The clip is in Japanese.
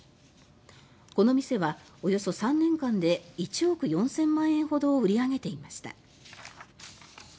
この店はおよそ３年間で１億４０００万円ほどを売り上げていました。